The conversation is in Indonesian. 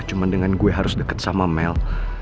cuma dengan gue harus dekat sama mel